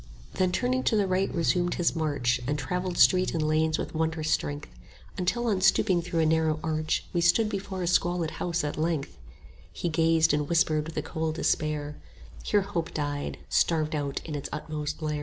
Then turning to the right resumed his march, And travelled street and lanes with wondrous strength, 20 Until on stooping through a narrow arch We stood before a squalid house at length: He gazed, and whispered with a cold despair, Here Hope died, starved out in its utmost lair.